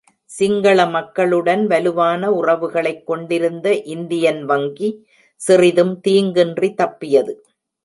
சிங்கள மக்களுடன் வலுவான உறவுகளைக் கொண்டிருந்த இந்தியன் வங்கி, சிறிதும் தீங்கின்றி தப்பியது.